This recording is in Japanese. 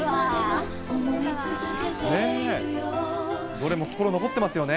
どれも心残ってますよね。